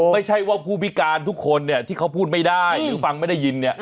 ไม่ใช่ว่าผู้พิการทุกคนเนี่ยที่เขาพูดไม่ได้หรือฟังไม่ได้ยินเนี่ย